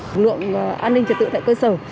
lực lượng an ninh trật tự tại cơ sở